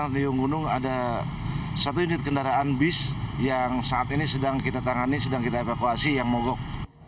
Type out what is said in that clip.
diung gunung ada satu unit kendaraan bis yang saat ini sedang kita tangani sedang kita evakuasi yang mogok